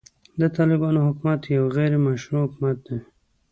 د طالبانو حکومت يو غيري مشروع حکومت دی.